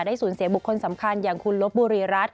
สูญเสียบุคคลสำคัญอย่างคุณลบบุรีรัฐ